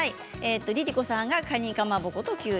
ＬｉＬｉＣｏさんがかにかまぼことキウイ。